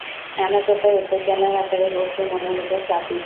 নানাপ্রকার উত্তেজনার আকারে বস্তু মনের উপর চাপ দিতেছে।